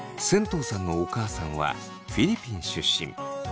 とうさんのお母さんはフィリピン出身。